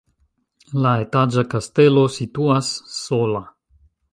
La etaĝa kastelo situas sola.